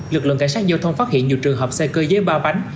lực lượng cảnh sát giao thông phát hiện nhiều trường hợp xe cơ giới ba bánh